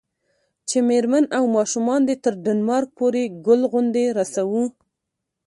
چې میرمن او ماشومان دې تر ډنمارک پورې ګل غوندې رسوو.